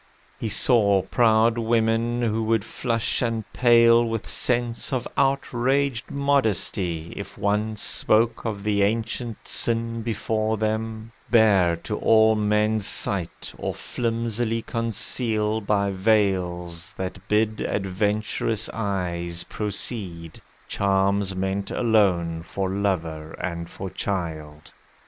He saw proud women who would flush and pale With sense of outraged modesty if one Spoke of the ancient sin before them, bare To all men's sight, or flimsily conceal By veils that bid adventurous eyes proceed, Charms meant alone for lover and for child.